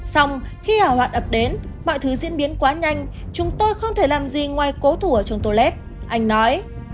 xong khi hỏa hoạn ập đến mọi thứ diễn biến quá nhanh chúng tôi không thể làm gì ngoài cố thủ ở trong tulev anh nói